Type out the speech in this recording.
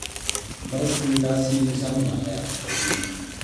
مرستې داسې نظامونه حیات کوي.